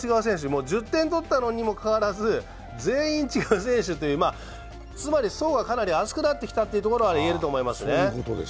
もう１０点取ったのにもかかわらず、全員違う選手というつまり層がかなり厚くなってきたということが言えると思いますね。